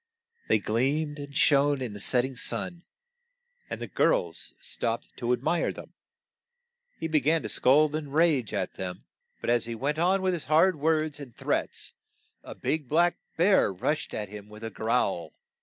They gleamed and shone in the set ting sun, and the girls stopped to ad mire them. He be gan to scold and rage at them, but as he went on with his hard w r ords and threats a big black bear rushed at him with a growl.